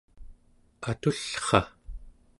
atullra